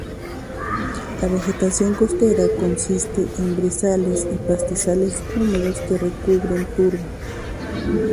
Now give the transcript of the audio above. La vegetación costera consiste en brezales y pastizales húmedos que recubren turba.